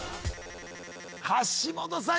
橋本さん